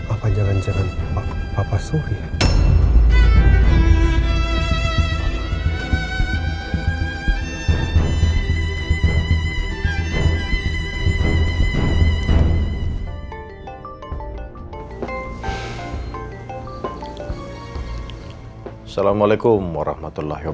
apa jangan jangan papa surya